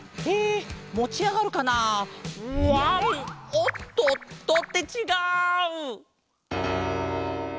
おっとっと。ってちがう！